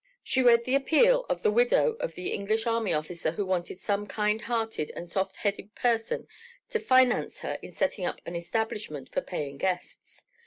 She read the appeal of the widow of the English army officer who wanted some kind hearted and soft headed person to finance her in setting up an establishment for "paying guests."